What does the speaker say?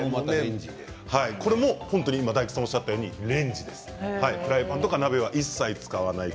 これも大吉さんのおっしゃったように電子レンジでフライパンや鍋は一切使いません。